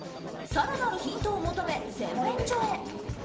更なるヒントを求め洗面所へ。